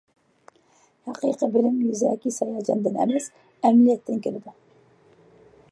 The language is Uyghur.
ھەقىقىي بىلىم يۈزەكى ھېس ھاياجاندىن ئەمەس، ئەمەلىيەتتىن كېلىدۇ.